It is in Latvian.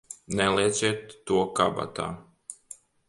Nelieciet to kabatā!